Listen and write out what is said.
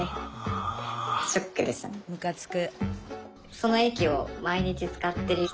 むかつく。